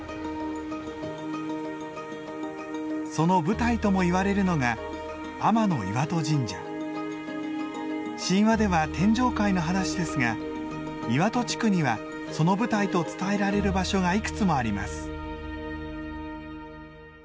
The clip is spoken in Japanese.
その舞台ともいわれるのが神話では天上界の話ですが岩戸地区にはその舞台と伝えられる場所がいくつもあります。